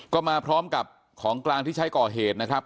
ก็มาพร้อมกับของกลางที่ใช้ก่อเหตุนะครับ